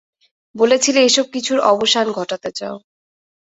বলেছিলে এসব কিছুর অবসান ঘটাতে চাও।